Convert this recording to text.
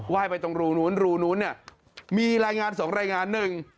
ไหว้ไปตรงรูนู้นรูนู้นมีรายงานสองรายงานหนึ่ง